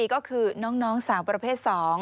นี่ก็คือน้องสาวประเภทสอง